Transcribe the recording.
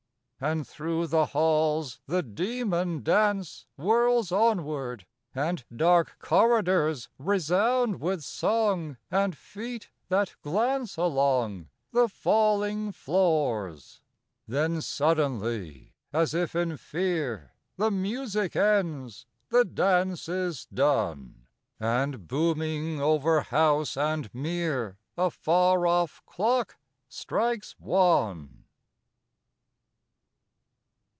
And through the halls the demon dance Whirls onward; and dark corridors Resound with song and feet that glance Along the falling floors. Then suddenly, as if in fear, The music ends, the dance is done; And booming over house and mere A far off clock strikes one.